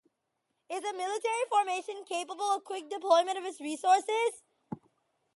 Is a military formation capable of quick deployment of its forces.